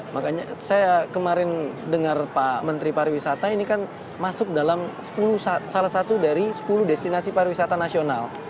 makanya saya kemarin dengar pak menteri pariwisata ini kan masuk dalam salah satu dari sepuluh destinasi pariwisata nasional